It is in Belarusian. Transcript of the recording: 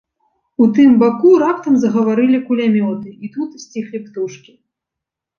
У тым баку раптам загаварылі кулямёты, і тут сціхлі птушкі.